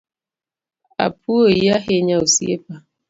Apuoyi ahinya Osiepa.